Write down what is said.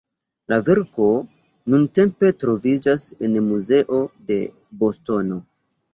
La verko nuntempe troviĝas en muzeo de Bostono.